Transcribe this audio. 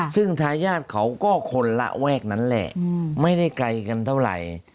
ซึ่งทายาทเขาก็คนระแวกนั้นแหละไม่ได้ไกลกันเท่าไหร่